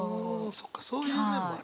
そっかそういう面もある。